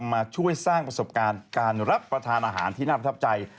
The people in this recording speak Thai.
มาช่วยสร้างประสบการณ์การรับประทานอาหารที่น่าประทับใจ